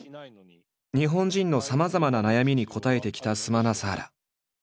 日本人のさまざまな悩みに答えてきたスマナサーラ。